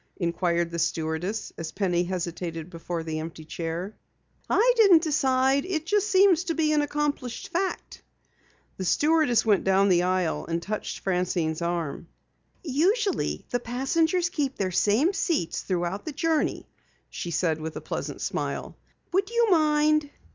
inquired the stewardess as Penny hesitated beside the empty chair. "I didn't decide. It just seems to be an accomplished fact." The stewardess went down the aisle and touched Francine's arm. "Usually the passengers keep their same seats throughout the journey," she said with a pleasant smile. "Would you mind?"